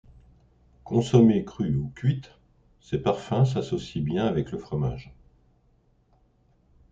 Consommée crue ou cuite, ses parfums s'associent bien avec le fromage.